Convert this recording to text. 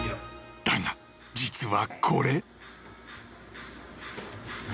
［だが実はこれ］